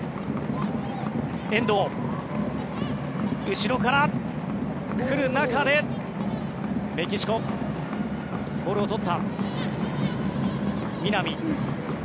後ろから来る中でメキシコ、ボールを取った。